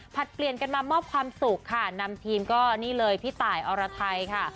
เปลี่ยนกันมามอบความสุขค่ะนำทีมก็นี่เลยพี่ตายอรไทยค่ะ